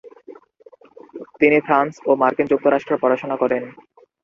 তিনি ফ্রান্স ও মার্কিন যুক্তরাষ্ট্রে পড়াশোনা করেন।